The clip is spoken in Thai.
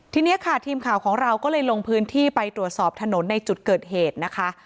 ทีนี้ค่ะทีมข่าวของเราก็เลยลงพื้นที่ไปตรวจสอบถนนในจุดเกิดเหตุนะคะ